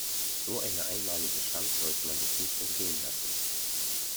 So eine einmalige Chance sollte man sich nicht entgehen lassen.